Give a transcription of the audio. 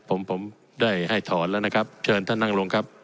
ผมผมได้ให้ถอนแล้วนะครับเชิญท่านนั่งลงครับ